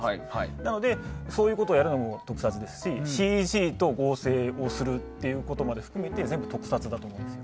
なので、そういうことをやるのも特撮ですしＣＧと合成をするということまで含めて全部、特撮だと思うんです。